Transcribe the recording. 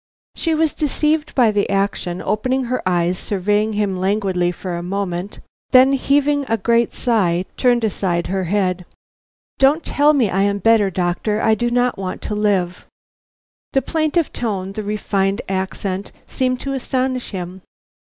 She was deceived by the action. Opening her eyes, she surveyed him languidly for a moment, then heaving a great sigh, turned aside her head. "Don't tell me I am better, doctor. I do not want to live." The plaintive tone, the refined accent, seemed to astonish him.